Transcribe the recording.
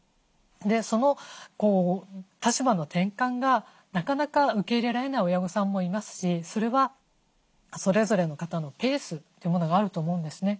その立場の転換がなかなか受け入れられない親御さんもいますしそれはそれぞれの方のペースというものがあると思うんですね。